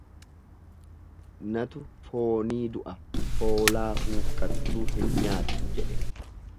Natu foonii du'a hoolaa huqqattuu hin nyaadhu jedhe.